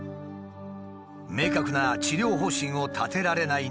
明確な治療方針を立てられない